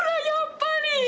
やっぱり！